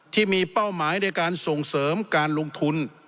ที่มีเป้าหมายในการส่งเสริมการลงทุน